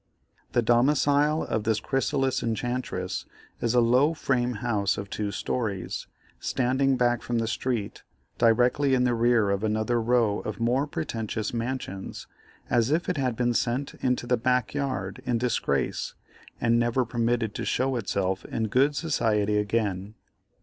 The domicile of this chrysalis enchantress is a low frame house of two stories, standing back from the street, directly in the rear of another row of more pretentious mansions, as if it had been sent into the back yard in disgrace and never permitted to show itself in good society again.